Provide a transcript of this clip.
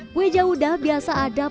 kue jawudah biasa ada di dalam kue